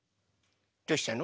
どうしたの？